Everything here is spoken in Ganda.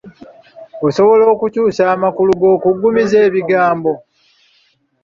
Osobola okukyusa amakulu g’okuggumiza ebigambo?